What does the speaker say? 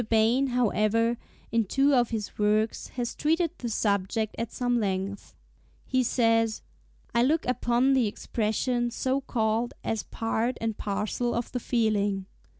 Bain, however, in two of his works has treated the subject at some length. He says, "I look upon the expression so called as part and parcel of the feeling.